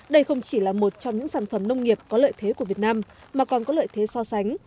đây không chỉ là một trong những sản phẩm nông nghiệp có lợi thế của việt nam mà còn có lợi thế so sánh